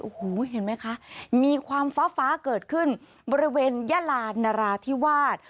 โอ้โหเห็นไหมคะมีความฟ้าฟ้าเกิดขึ้นบริเวณยาลานนราธิวาส